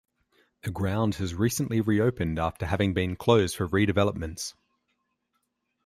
The ground has recently reopened after having been closed for redevelopments.